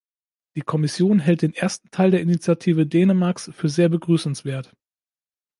Die Kommission hält den ersten Teil der Initiative Dänemarks für sehr begrüßenswert.